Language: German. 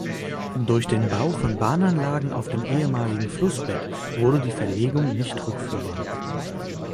Durch den Bau von Bahnanlagen auf dem ehemaligen Flussbett wurde die Verlegung nicht rückführbar.